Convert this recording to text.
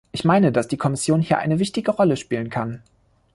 Ich meine, dass die Kommission hier eine wichtige Rolle spielen kann.